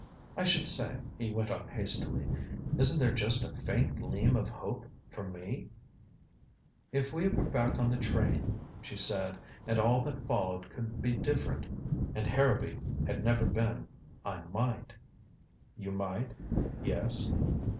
"I should say," he went on hastily, "isn't there just a faint gleam of hope for me " "If we were back on the train," she said, "and all that followed could be different and Harrowby had never been I might " "You might yes?"